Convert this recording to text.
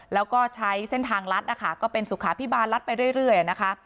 แล้วก็ใช้เส้นทางลัดนะคะก็เป็นสุขาพิบาลลัดไปเรื่อยนะคะ